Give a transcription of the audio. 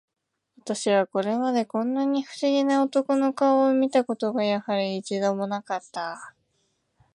私はこれまで、こんな不思議な男の顔を見た事が、やはり、一度も無かった